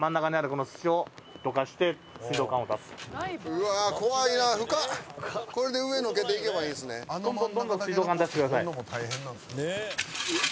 これで上のけていけばいいんですね。